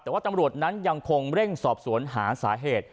แต่ว่าตำรวจนั้นยังคงเร่งสอบสวนหาสาเหตุ